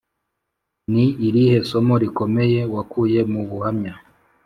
Ni irihe somo rikomeye wakuye mu buhamya